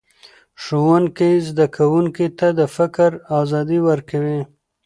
ښوونکی زده کوونکو ته د فکر ازادي ورکوي